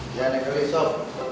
jangan naik kelih sob